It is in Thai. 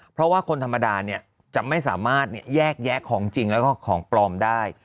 เพราะว่าคนธรรมดาเนี่ยจะไม่สามารถแยกแยะของจริงแล้วก็ของปลอมได้